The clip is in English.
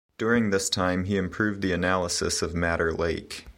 During this time he improved the analysis of madder lake.